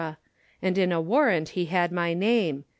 And in a warrant he had my name.